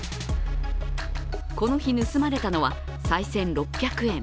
この日、盗まれたのはさい銭６００円。